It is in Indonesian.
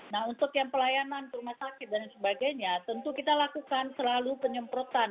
nah untuk yang pelayanan rumah sakit dan sebagainya tentu kita lakukan selalu penyemprotan